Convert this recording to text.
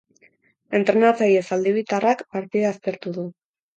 Entrenatzaile zaldibartarrak partida aztertu du.